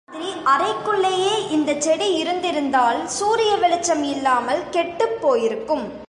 நீ சொன்ன மாதிரி அறைக்குள்ளேயே இந்தச் செடி இருந்திருந்தால், சூரிய வெளிச்சம் இல்லாமல் கெட்டுப் போயிருக்கும்.